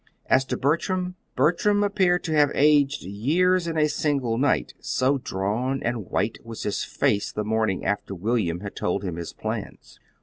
As to Bertram Bertram appeared to have aged years in a single night, so drawn and white was his face the morning after William had told him his plans.